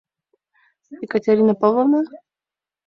— Екатерина Павловна?